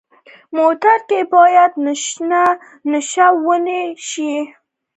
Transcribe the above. موټر کې باید نشه ونه شي.